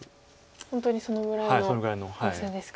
本当にそのぐらいのヨセですか。